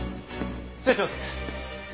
失礼します。